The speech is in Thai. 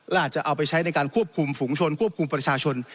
และอาจจะเอาไปใช้ในการควบคุมฝุงชนควบคุมประชาชน